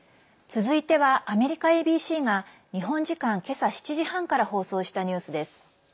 続いては、アメリカＡＢＣが日本時間けさ７時半から放送したニュースです。